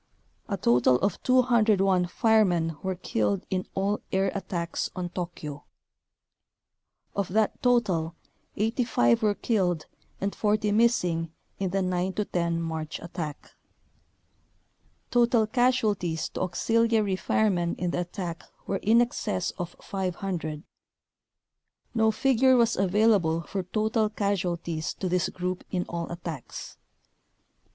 A total of 201 firemen were killed in all air attacks on Tokyo. Of that total 85 were killed and 40 missing in the 9 10 March attack. Total casualties to auxil iary firemen in the attack were in excess of 500. No figure was available for total casualties to this group in all attacks.